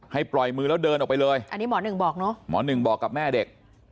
ให้ปล่อยมือแล้วเดินออกไปเลยหมอหนึ่งบอกกับแม่เด็ก